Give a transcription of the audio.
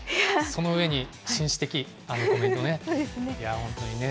その上に、紳士的、あのコメントね。